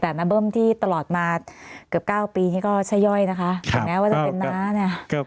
แต่น้าเบิ้มที่ตลอดมาเกือบ๙ปีนี่ก็ชะย่อยนะคะถึงแม้ว่าจะเป็นน้าเนี่ย